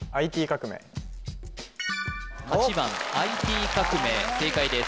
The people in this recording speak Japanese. ８番「ＩＴ革命」正解です